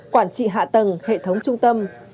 quản trị hạ tầng hệ thống trung tâm